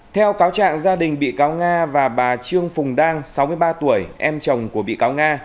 theo cáo trạng gia đình bị cáo nga và bà trương phùng đang sáu mươi ba tuổi em chồng của bị cáo nga